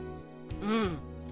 うん。